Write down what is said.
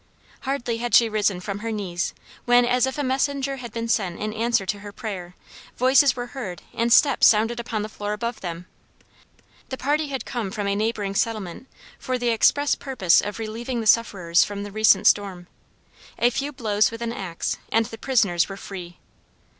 Hardly had she risen from her knees, when, as if a messenger had been sent in answer to her prayer, voices were heard and steps sounded upon the floor above them. The party had come from a neighboring settlement for the express purpose of relieving the sufferers from the recent storm. A few blows with an axe and the prisoners were free.